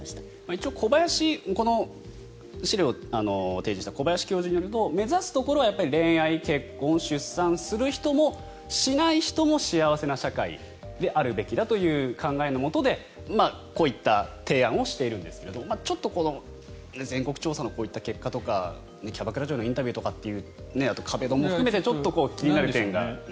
一応、この資料を提示した小林教授によると目指すところは恋愛、結婚、出産する人もしない人も幸せな社会であるべきだという考えのもとでこういった提案をしているんですがちょっと全国調査のこういった結果とかキャバクラ嬢のインタビューとかあと、壁ドンも含めてちょっと気になる点が。